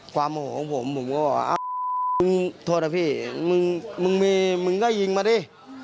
ความโหงผมผมก็อ้าวโทษนะพี่มึงมีมึงก็ยิงมาดิ